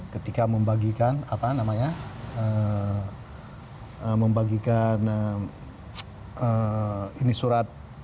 ketika membagikan apa namanya membagikan surat tanah tersebut